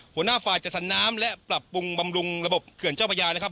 หัวหน้าฝ่ายจัดสรรน้ำและปรับปรุงบำรุงระบบเขื่อนเจ้าพระยานะครับ